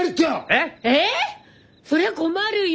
そりゃあ困るよ！